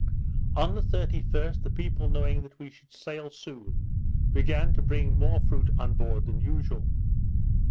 On the 31st, the people knowing that we should sail soon, began to bring more fruit on board than usual.